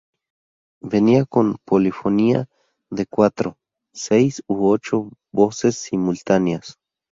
Venía con polifonía de cuatro, seis u ocho voces simultáneas.